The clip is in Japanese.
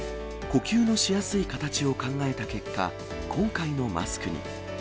呼吸のしやすい形を考えた結果、今回のマスクに。